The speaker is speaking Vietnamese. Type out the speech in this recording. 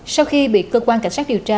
sau khi bị cơ quan cảnh sát điều tra